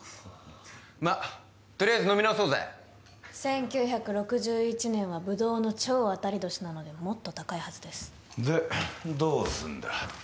まっとりあえず飲み直そうぜ１９６１年は葡萄の超当たり年なのでもっと高いはずですでどうすんだ？